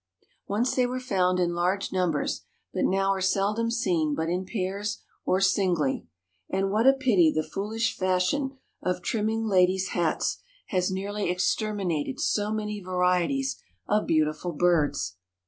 Once they were found in larger numbers, but now are seldom seen but in pairs or singly, and what a pity that foolish fashion of trimming ladies' hats has nearly exterminated so many varieties of beautiful birds!